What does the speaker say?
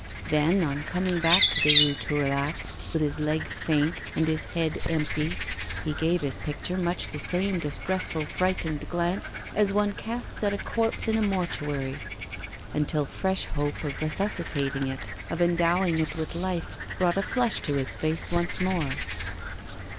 Then, on coming back to the Rue Tourlaque, with his legs faint and his head empty, he gave his picture much the same distressful, frightened glance as one casts at a corpse in a mortuary, until fresh hope of resuscitating it, of endowing it with life, brought a flush to his face once more.